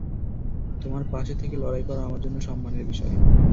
তোমার পাশে থেকে লড়াই করা আমার জন্য সম্মানের বিষয়।